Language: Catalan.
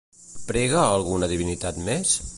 Prega a alguna divinitat més?